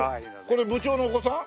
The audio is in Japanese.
これ部長のお子さん？